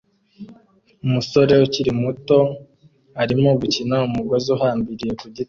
Umusore ukiri muto arimo gukina umugozi uhambiriye ku giti